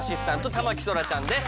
田牧そらちゃんです。